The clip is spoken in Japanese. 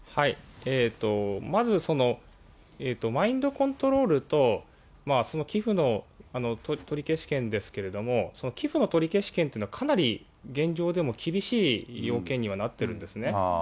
まず、マインドコントロールと、寄付の取消権ですけれども、寄付の取消権というのは、かなり現状でも厳しい要件になってるんですね。